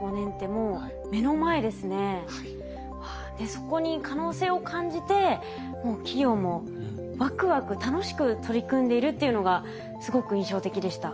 そこに可能性を感じてもう企業もワクワク楽しく取り組んでいるっていうのがすごく印象的でした。